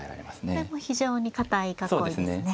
これも非常に堅い囲いですね。